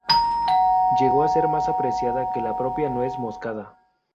Llegó a ser más apreciada que la propia nuez moscada.